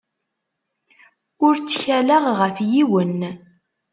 Ur ttkaleɣ ɣef yiwen.